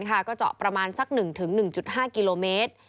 ก็เจาะประมาณสัก๑๑๕กิโลเมตร